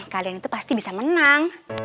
kalian itu pasti bisa menang